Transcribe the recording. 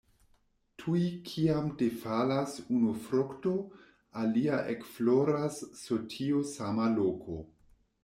Tuj kiam defalas unu frukto, alia ekfloras sur tiu sama loko.